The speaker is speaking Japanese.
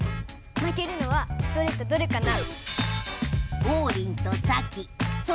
負けるのはどれとどれかな？